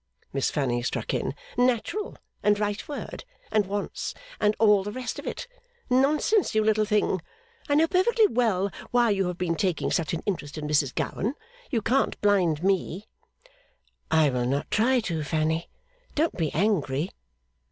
Miss Fanny struck in. 'Natural, and right word, and once, and all the rest of it! Nonsense, you little thing! I know perfectly well why you have been taking such an interest in this Mrs Gowan. You can't blind me.' 'I will not try to, Fanny. Don't be angry.